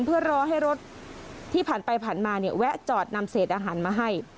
เพื่อรอให้รถที่ผ่านไปผ่านมาเนี่ยแวะจอดนำเศษอาหารมาให้